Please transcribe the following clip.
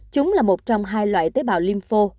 chúng là một trong hai loại tế bào lympho